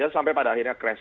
sampai pada akhirnya crash